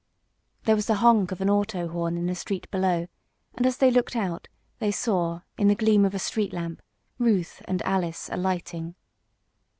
There was the honk of an auto horn in the street below, and as they looked out, they saw, in the gleam of a street lamp, Ruth and Alice alighting.